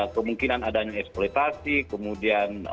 kemungkinan adanya eksploitasi kemudian